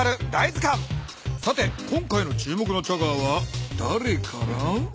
さて今回の注目のチャガーはだれかな？